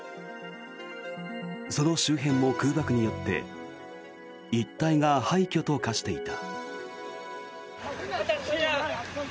その周辺も空爆によって一帯が廃虚と化していた。